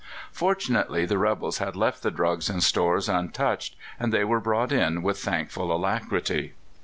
Fortunately, the rebels had left the drugs and stores untouched, and they were brought in with thankful alacrity.